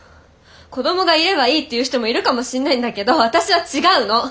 子どもがいればいいっていう人もいるかもしんないんだけど私は違うの！